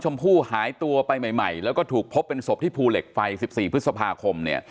ชมพู่หายตัวไปใหม่แล้วก็ถูกพบเป็นศพที่ภูเหล็กไฟ๑๔พฤษภาคมเนี่ย